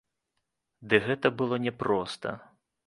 Ды гэта было не проста.